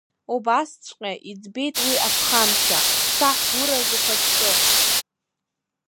Убасҵәҟа иӡбеит уи аԥхамшьа, саҳ гәыраз, ухаҵкы!